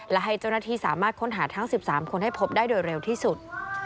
และให้เจ้าหน้าที่สามารถค้นหาทั้ง๑๓คนให้พบได้โดยเร็วที่สุด